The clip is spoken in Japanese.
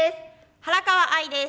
原川愛です。